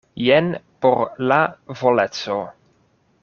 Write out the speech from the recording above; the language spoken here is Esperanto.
Jen por la voleco.